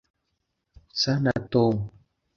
nsa na tom